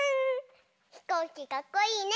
ひこうきかっこいいね！